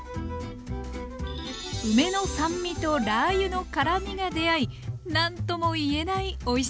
梅の酸味とラー油の辛みが出会い何ともいえないおいしさです。